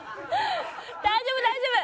大丈夫大丈夫。